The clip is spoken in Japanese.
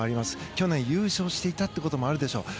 去年、優勝していたということもあるでしょう。